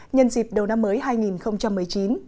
nhân dịp đầu năm mới hai nghìn một mươi chín